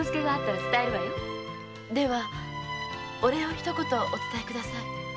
お礼を一言お伝えください。